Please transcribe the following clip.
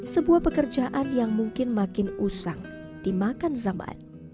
sebuah pekerjaan yang mungkin makin usang dimakan zaman